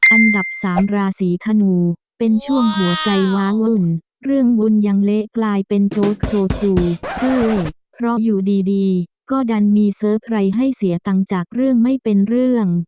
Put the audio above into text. อันดับสามราศีธนูเป็นช่วงหัวใจว้าวุ่นเรื่องวุ่นยังเละกลายเป็นโจ๊กโซทูเพราะอยู่ดีก็ดันมีเซอร์ไพรส์ให้เสียตังค์จากเรื่องไม่เป็นเรื่อง